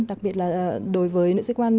đặc biệt là đối với nữ sĩ quan